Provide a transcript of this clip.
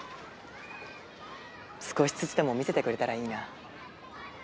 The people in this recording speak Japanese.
少しずつでも見せてくれたらいいな。